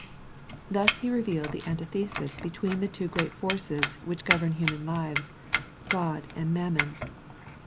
Thus He revealed the antithesis between the two great forces which govern human lives, God and Mammon.